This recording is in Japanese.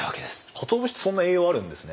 かつお節ってそんな栄養あるんですね。